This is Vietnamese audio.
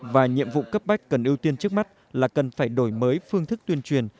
và nhiệm vụ cấp bách cần ưu tiên trước mắt là cần phải đổi mới phương thức tuyên truyền